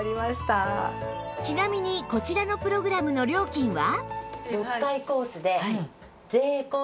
ちなみにこちらのプログラムの料金は？